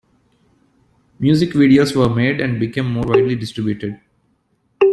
Music videos were made and became more widely distributed.